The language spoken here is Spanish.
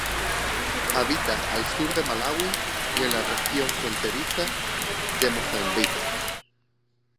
Habita al sur de Malaui y en la región fronteriza de Mozambique.